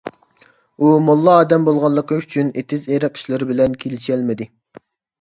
ئۇ موللا ئادەم بولغانلىقى ئۈچۈن، ئېتىز - ئېرىق ئىشلىرى بىلەن كېلىشەلمىدى.